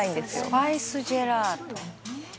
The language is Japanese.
「スパイス・ジェラート」